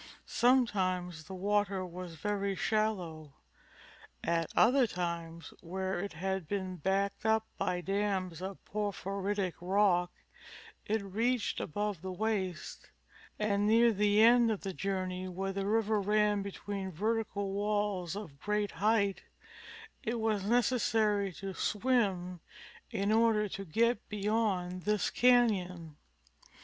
Sometimes the water was very shallow ; at other times, where it had been backed up by dams of porphyritic rock, it reached above the waist, and near the end of the journey where the river ran between vertical walls of great height it was necessary to swim in order to get beyond this canon.